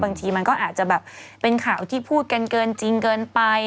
บางทีมันก็อาจจะแบบเป็นข่าวที่พูดกันเกินจริงเกินไป